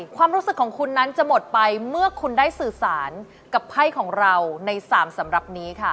ความรู้สึกของคุณนั้นจะหมดไปเมื่อคุณได้สื่อสารกับไพ่ของเราใน๓สำหรับนี้ค่ะ